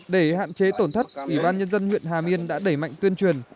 để hạn chế tổn thất ủy ban nhân dân huyện hà miên đã đẩy mạnh tuyên truyền